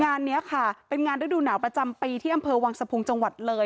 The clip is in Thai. งานนี้ค่ะเป็นงานฤดูหนาวประจำปีที่อำเภอวังสะพุงจังหวัดเลย